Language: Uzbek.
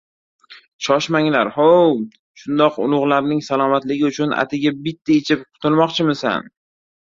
— Shoshmanglar hov! Shundoq ulug‘larning salomatligi uchun atigi bitta ichib qutulmoqchimisan!